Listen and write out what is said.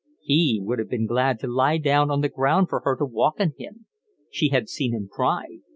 He would have been glad to lie down on the ground for her to walk on him. She had seen him cry.